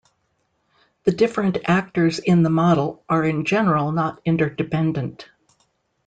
The different actors in the model are in general not interdependent.